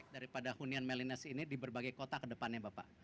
daripada hunian meliness ini di berbagai kota ke depannya bapak